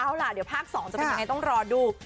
เอาล่ะเดี๋ยวภาค๒จะเป็นยังไงต้องรอดู